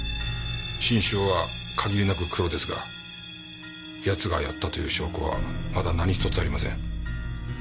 心証は限りなくクロですが奴がやったという証拠はまだ何一つありません。